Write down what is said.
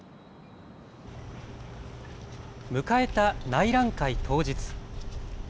迎えた内覧会当日。